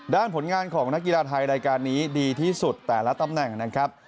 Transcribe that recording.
ผลงานของนักกีฬาไทยรายการนี้ดีที่สุดแต่ละตำแหน่งนะครับ